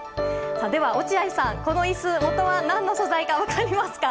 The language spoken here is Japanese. では落合さん、この椅子もとは何の素材か分かりますか。